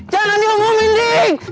jangan diomongin degh